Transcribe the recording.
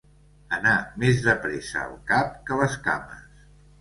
Anar més de pressa el cap que les cames.